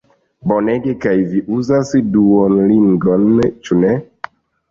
Bonege, kaj vi uzas Duolingon ĉu ne?